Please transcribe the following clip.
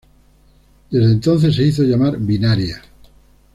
Desde entonces se hizo llamar Binaria.